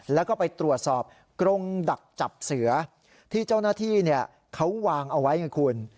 แล้วก็ไปตรวจสอบกรงดักจับเสือที่เจ้าหน้าที่เขาวางเอาไว้ไงคุณ